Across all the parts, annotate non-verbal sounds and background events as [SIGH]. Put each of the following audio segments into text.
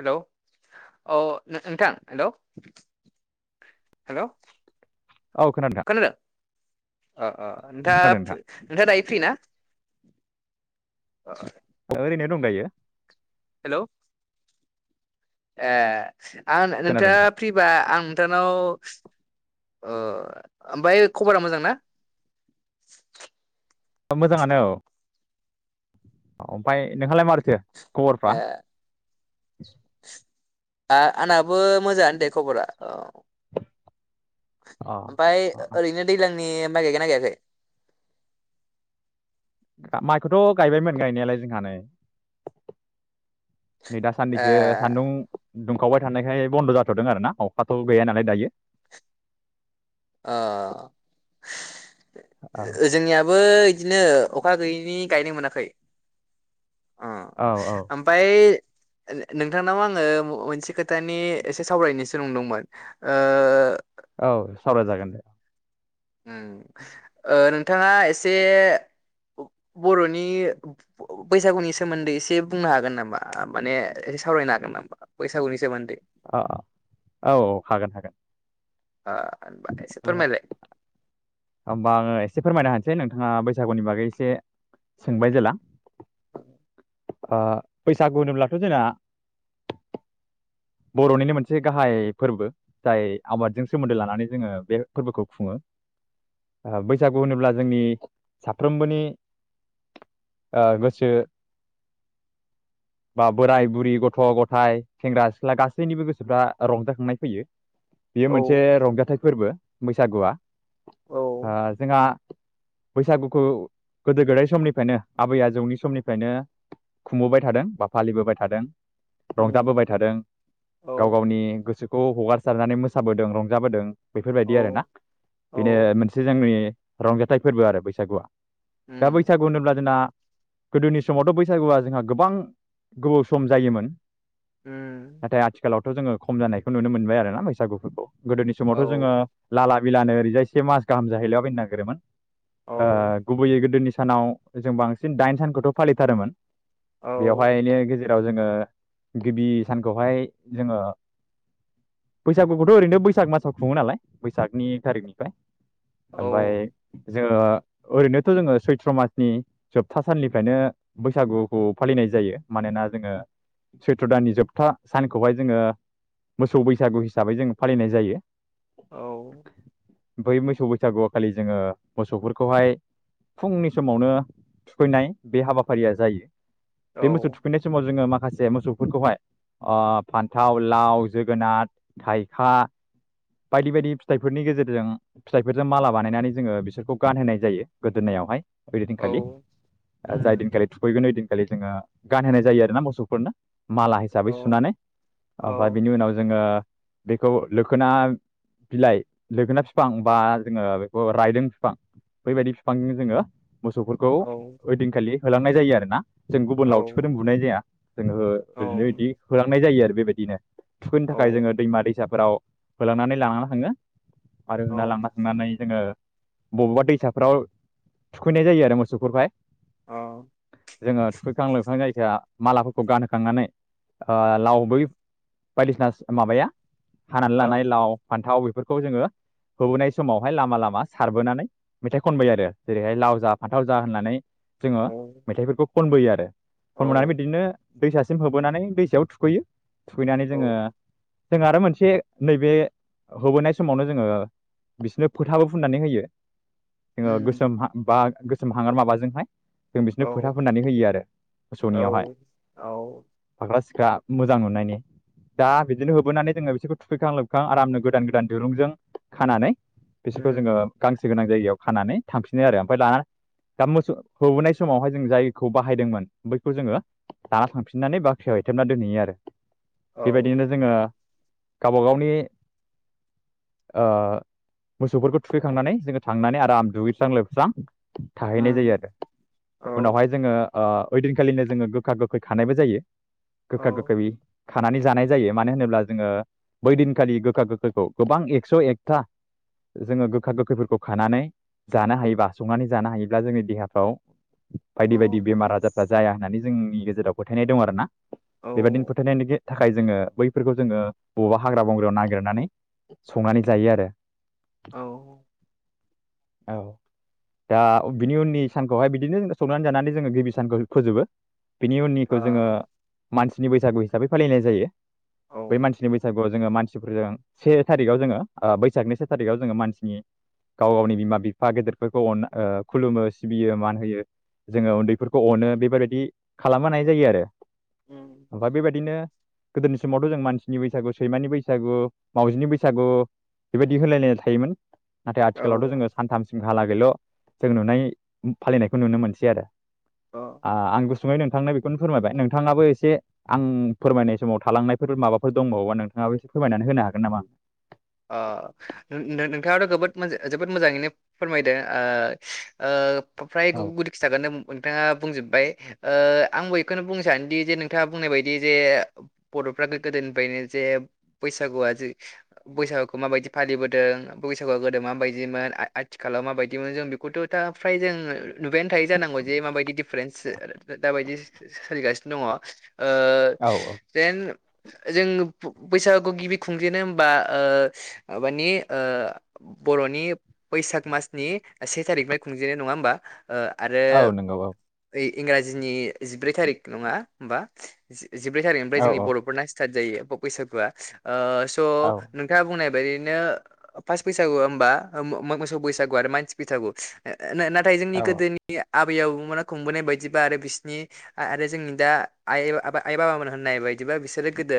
Hello औ नोंथां hello hello औ खोनादों नोंथां अ-अ खोनादों नोंथाङा नोंथां नोंथाङा दायो फ्रिना ओरैनो दं दायो हेलौ ए आं खोनादों नोंथाङा नोंथां फ्रिबा आं नोंथांनाव ओ ओमफ्रायो खबरा मोजांना [INAUDIBLE] मोजाङानो औ-औ ओमफ्राय नोंहालाय मारैथो खबरफ्रा आ आंनाबो मोजांङानो दे खबरा औ अ ओमफ्राय अ ओरैनो दैलांनि माइ गायगोना गायाखै मा माइखौथ गायबायमोन गायनायालाय जोंहा नै नै दा ए सान्नैसो सान्दुं दुमखावबाय थानायखाय बन्द जाथदों आर ना अखाथ‌ गैया नालाय दायो आ औ जोंनियाबो बिदि बिदिनो अखा गैयैनि गायनो मोनाखै अ औ ओमफ्राय नोंथांनाव आंङो मोनसे खोथानि एसे सावरायनोसो नंदोंमोन। ओ औ सावरायजागोन दे। ओ नोंथाङा एसे बर'नि बैसागुनि सोमोन्दै एसे बुंनो हागोन नामा माने सावरायनो हागोन नामा बैसागुनि सोमोन्दै औ औ औ औ हागोन हागोन। ओ होनबा एसे फोरमायलाय [INAUDIBLE] होमबा आंङो एसे फोरमायनो होनसै नोंथांनो नोंथाङा बैसागुनि बागै एसे सोंबाय जेला औ बैसागु होनोब्लाथ जोंना बरनिनो मोनसे गाहाय फोरबो जाय आबादजों सोमोन्दो लानानै जोंङो बे फोरबोखौ खुंङो। [INAUDIBLE] बैसागु होनोब्ला जोंनि साफ्रोमबोनि ओ गोसो बोराय बुरि गथ गथाय सेंग्रा सिख्ला सिख्ला गासैनिबो गोसोफ्रा रंजाखांनाय फैयो बियो मोनसे औ रंजाथाइ फोरबो बैसागुआ औ ओ जोंहा बैसागुखौ गोदो गोदाय समनिफ्रायनो आबै आजौनि समनिफ्रायनो खुंबोबाय थादों बा फालिबोबाय थादों उम रंजाबोबाय थादों। गाव औ गावनि गोसोखौ हगारसारनानै मोसाबोदों रंजाबोदों बेफोरबायदि आरोना औ बेनो औ मोनसे जोंनि रंजाथाइ फोरबो आरो बैसागुआ दा उम बैसागु होनोब्ला जोंना गोदोनि समावथ बैसागुआ जोंहा गोबां गोबाव सम जायोमोन। उम नाथाय आथिखालावथ जोंङो खम जानायखौ नुनो मोनबाय आरोना बैसागु गोदोनि समावथ जोंङो औ लाला बिलानो ओरैजाय से मास गाहाम जाहैलाबायनो नागिरोमोन औ गुबैयै गोदोनि सानाव जों बांसिन दाइन सानखौथ' फालिथारोमोन औ बेवहायनो गेजेराव जेराव जोङो गिबि सानखौहाय जोंङो बैसागुखौथ ओरैनो बैसाग मासाव खुङो नालाय बैसागनि एक तारिखनिफ्राय औ ओमफ्राय जोङो ओरैनोथ जोंङो सैथ्र मासनि जोबथा साननिफ्रायनो बैसागुखौ फालिनाय जायो। मानोना जोंङो सैत्र दानानि जोबथा सानखौहाय जोंङो मोसौ बैसागु हिसाबै जोंङो फालिनाय जायो। औ बै मोसौ बैसागुआव खालि जोंङो मोसौफोरखौहाय फुंनि समावनो थुखैनाय बे हाबाफारिया जायो। बे मोसौ औ थुखैनाय समाव जोंङो माखासे मोसौफोरखौहाय फान्थाव लाव जोगोनार थाइखा बायदि बायदि फिथाइफोरनि गेजेरजों फिथाइफोरजों माला बानायनानै जोंङो बिसोरखौ गानहोनाय जायो गोदोनायावहाय औ ओइदिनखालि जाय उम दिनखालि थुखैगोन ओइन दिन खालि जोंङो गानहोनाय जायो आरोना मोसौफोरनो माला हिसाबै औ सुनानै औ ओमफ्राय बिनि उनाव जोंङो बेखौ लोखोना बिलाइ लोखोना फिफां बा जोंङो बेखौ रायदों फिफां बैबायदि बिफांजों जोंङो मोसौफोरखौ औ ओइदिनखालि होलांनाय जायो आरोोना जों गुबुन औ लावथिफोरजों बुनाय जाया औ [INAUDIBLE] लांनाय जायो आरो बेबायदिनो थुखैनो थाखाय जोङो दैमा दैसाफोराव होलांनानै लानानानै थांङो आरो होना लांना थांनानै जोंङो बबावबा दैसाफ्राव थुखैनाय जायो आरो मोसौफोरहाय आ। जोङो थुखैखां लोबखां जायखाया मालाफोरखौ गानहोखांनानै ओ लाव बै बायदिसिना माबाया हानानै औ लानाय लाव फान्थाव बे फोरखौ जोङो होबोनाय समावहाय लामा लामा सारबोनानै मेथाइ खनबोयो आरो जेरैहाय लाव जा फान्थाव जा होननानै। जोङो औ औ मेथाइफोरखौ खनबोयो आरो औ खनबोनानै बिदिनो दैसासिम होब नानै दैसायाव थुखैयो थुखैनानै जोङो औ जों आरो मोनसे नैबे होबोनाय समावनो जोङो बिसिनो फोथाबो फुननानै होयो जोङो उम गोसोम हा बा गोसोम हांगार माबाजोंहाय। जों औ बिसिनो फोथा फोननानै होयो आरो औ मोसौनियावहाय। औ फाख्रा सिख्रा मोजां नुनायनि। दा बिदिनो होबोनानै जोङो बिसोरखौ थुखैखां लोबखां आरामनो गोदान गोदान दिरुंजों खानानै बिसोरखौ जोङो उम गांसो गोनां जायगायाव खानानै थांफिनो आरो ओमफ्राय ला दा मोसौ होबोनाय समावहाय जों जायखौ बाहायदोंमोन बैखौ जोङो दाना थांफिन नानै बाख्रियाव एथेबना दोनहैयो आरो औ बेबायदिनो जोङो गावबा गावनि ओ मोसौफोरखौ थुखैखांनानै जोङो थांनानै आराम दुगैस्रां लोबस्रां थाहैनाय जायो उम आरो औ उनावहाय जोङो ओ इदिनखालिनो जोङो गोखा गोखै खा नाय बो जायो औ गोखा गोखै खानानै जानाय जायो मानो होनोब्ला जोङो बैदिनखालि गोखा गोखोखौ गोबां एक्स' एकथा जोङो गोखा गोखैफोरखौ खानानै जानो हायोबा संनानै जानो हायोब्ला जोंनि देहाफ्राव औ बायदि बायदि बेमार आजारफ्रा जाया होननानै जोंनि गेजेराव फोथायनाय दं आरोना औ बेबायदिनो फोथायनायनि गे थाखाय जोङो बैफोरखौ जोङो बबावबा हाग्रा बंग्रायाव नागिरनानै संनानै जायो आरो। औ। औ। दा बिनि उननि सानखौहाय बिदिनो संनानै जानानै जोङो गिबि सानखौ फोजोबो बिनि उन खौ जोङो आ मानसिनि बैसागु हिसाबै फालिनाय जायो। औ बै मानसिनि बैसागुआव जोङो मानसिफोरजों से थारिखआव जोङो बैसागनि से थारिखआव जोङो मानसिनि गाव गावनि बिमा बिफा गेदेरफोरखौ अन ओ खुलुमो सिबियो मान होयो। जोङो उन्दैफोरखौ अनो बेफोरबायदि खालाम होनाय जायो आरो उम ओमफ्राय बेबायदिनो गोदोनि समावथ' जों मानसिनि बैसागु सैमानि बैसागु मावजिनि बैसागु बेबायदि होलायलायनाय थायोमोन नाथाय आथिखालावथ' जोङो औ सानथामसिम हालागैल' जों नुनाय फालिनायखौ नुनो मोनसै आरो अ आ आं बुस ङै नोंथांनो खौनो फोरमायबाय नोंथाङाबो एसे आं फोरमायनाय समाव थालांनायफोर माबाफोर दंबावोबा नोंथाङाबो एसे फोरमायनानै होनो हागोन नामा? अ नोंनोंथाङाथ'जोबोद जोबोद मोजाङैनो फोरमायदो आ ओ ओमफ्राय ग औ गुदि खिथागोननो नोंथाङा बुंजोब्बाय ओ आंबो एखौनो बुंनो सानोदि जे नोंथाङा बुंनाय बायदि जे बर'फ्रा गोगोदो फ्रायनो जे बैसा गुआ जे बैसागुखौ माबायदि फालिबोदों बैसागुआ गोदो माबायदिमोन आआथिखालाव माबायदिमोन जों बेखौथ' दाफ्राय जों नुबायानो थायो जानांगौ जे माबायदि दिडफारेन्स दाबायदि सोलिगासिनो दङ। ओ औ औ जेन जों बैसागु गिबि खुंजेनो बा ओ माबानि ओ बर'नि बैसाग मासनि से था रिखनिफ्राय खुंजेनाय नङा होमबा? ओ आरो औ नंगौ औ ओइ इंराजिनि जिब्रै थारिख नङा होमबा जि जिब्रै थारिखनिफ्राय औ जोंनि औ बर'फोरना स्टार्ट जायो बैसागुआ ओ औ नोंथाङा बुंनाय बेैनो फास बैसागु होबा मोसौ बैसागु आरो मानसि बैसागु ना-नाथाय जोंनि औ गोदोनि आबै आबौ मा खुंबोनाय बायदिबा आरो बिसोरनि आरो जोंनि दा आइ आइ बाबामोन होननाय बा बिदिबा बिसोरो गोदो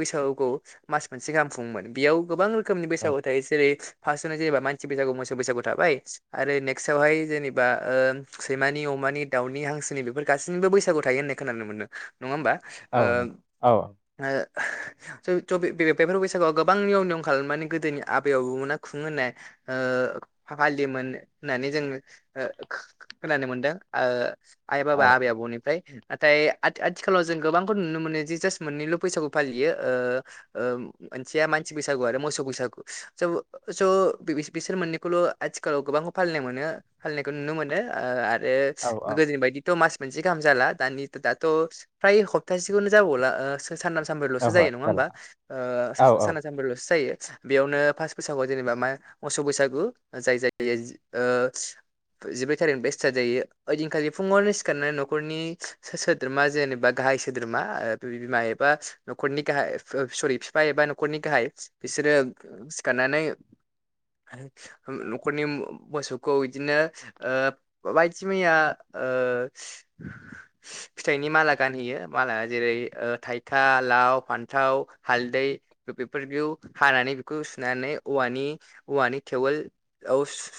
बैसागुखौ मासमोनसे गाहाम दंमोन बेयाव गोबां रोखोमनि औ बैसागु थायो जेरै फासआवनो जेनेबा मानसि बैसागु मोसौ बैसागु थाबाय आरो नेक्स्टआवहाय जेनेबा सैमानिम अ मानि दावनि हांसोनि बेफोर गाससिनिबो बैसागु थायो होननाय खोनानो मोनदों। नङा होमबा औ नंगौ औ थोहोआव गोबां नियम नियम खालाम मे गोदोनि आबै आबो मोना खुङो होननाय ओ फालिमोन होननानै जों ओ खोनानो मोनदों आइ औ बाबा आबै आबौनिफ्राय नाथाय आथिखालाव जों गोबांखौ नुनो मोनो जे जास्ट मोननैल' बैसागो फालियो ओ ओ मोनसेया मानसि बैसागु आरो मोसौ बैसागु स स बिसोर मोननैखौल' आथिखालाव गोबां खौ फालिनाय मोनो आरो फालिनायखौ नुनो मोनो ओ आरो औ औ गोदोनि बायदिथ' मास मोनसे गाहाम जाला दानि दाथ' फ्राय हप्तासेनो जाबावला ओ सानथाम सानब्रैल'सो ओहो जायो नङा जाला होमबा ओ औ औ सानथाम सानब्रैल' सो जायो बेयावनो फास बैसागुआव जेनेबा मा मोसौ बैसागु जाय जाय जिब्रै थारिखनिफ्राय स्टार्ट जायो ओइदिनखालि फुङावनो सिखारनाय न'खरनि सोद्रोमा जेनेबा गा हाय सोद्रोमा ओ बिमा एबा न'खरनि गाहाय सरि बिफा एबा न'खरनि गाहाय बिसोरो सिखारनानै न'खरनि मोसौखौ बिदिनो ओ बायदि मैया ओ फिथाइनि माला गानहोयो माला जेरै थाइथा लाव फान्थाव हाल दै बेफोरखौ हानानै बेखौ सुनानै औवानिे औवानि थेउल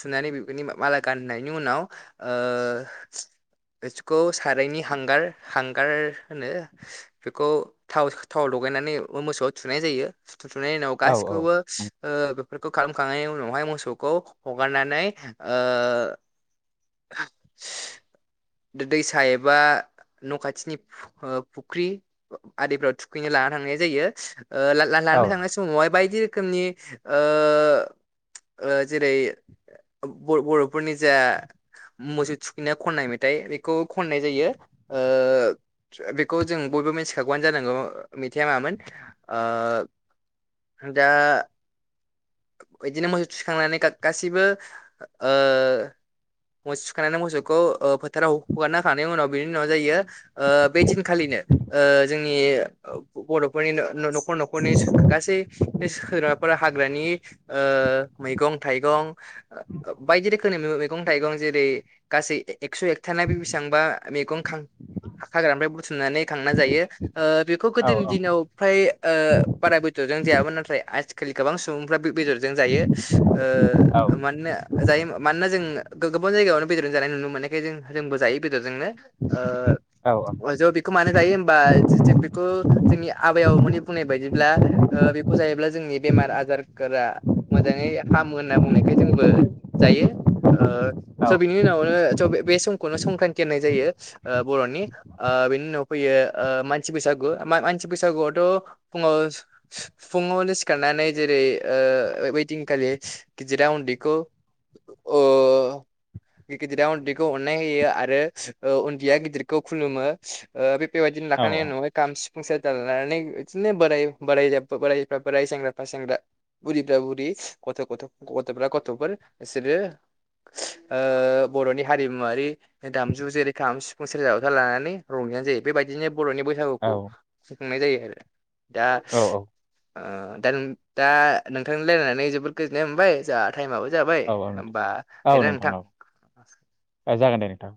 सुनानै बेफोरनि माला गानहोयनि उनाव ओ दोसिखौ सारायनि हांगार हांगार होनो बेखौ थाव थाव दं लगायनानै मोसौआव थुनाय जायो थुथुनायनि उनाव औ गासिखौबो ओ फोरखौ खालामखांनायनि उनावहाय मोसौखौ हगारनानै ओ दैसा एबा न' खाथिनि फुख्रि आरिफ्राव थुखैनो लाना थांनाय जायो ओ औ ला-लाना थांनाय समावहाय बायदि रोखोमनि ओ ओ जेरै बर' बर'फोरनि जा मोसौ थुखैनाय खननाय मेथाइ बेखौ खननाय जायो ओ बेखौ जों बयबो मिथिखागौआनो जानांगौ मेथाइआ मामोन ओ दा बिदिनो मोसौ थुखांनानै गा-गासैबो ओ मोसौ थुखैखांनानै मोसौखौ फोथाराव हगारना होखांनायनि उनाव बेनि उनाव जायो बे ओ दिनखालिनि ओ जोंनि बर'फोरनि न' खर न'खरनि गासै दाबफोरा हाग्रानि ओ मैगं थाइगं बायदि रोखोमनि मैगं थाइगं जेरै गासै गासै एकस' एकथाना बे बेसेबांबा मैगं हाग्रानिफ्राय बुथुमनानै खांना जायो ओ बेखौ औ गोदोनि औ दिनाव फ्राय ओ बारा बेदरजों जायामोन नाथाय आथिखालि गोबां सुबुं आं जायो औ ओ मानोना जों गोबां जायगायावनो बेदर जानाय नुनोमोननायखाय जोंबो जायो बेदरजोंनो औ ओ जों बेखौ मानो जायो बा जि बेखौ जोंनि आबायाव मानि बुंनाय बायदिब्ला बेखौ जायोब्ला जोंनि बेमार आजार फोरा मोजाङै हामो होनना बुंनायखाय जोंबो जायो ओ स' बिनि उनाव नो संक्रान्त होननाय जायो ओ बर'निनि ओ उनाव फैयो ओ मानसि बैसागु मानसि बैसागुआवथ' फुङाव फुङावनो सिखारनानै जेरै ओ बैदिन खालामलि गेदेरा उन्दैखौ ओ गिदिरा उन्दैखौ अन्नाय होयो आरो उन्दैया गिदिरखौ खुलुमो ओ बे बायदिनो लाखानाय औ उनावहाय काम सि फुं सेरजा लानानै इदिनो बोरायबा बोराय सेंग्रा फ्राय सेंग्रा बुुरिफ्रा बुुरि गथ'थ'फ्रा गथ'फोर बिसोरो बर'नि हारिमुवारि दामजु जेरै खाम सिफुं सेरजाथा लानानै रं जायो बेबायदिनो बर'नि बैसागुखौ खुं खुंनाय जायो आरो दा दा दा नोंथांनि रायलायनानै जोबोद गोजोननाया मोनबाय जों टाइमआो जाबाय नोंथां होमबा देना नोंथां जागोन दे नोंथां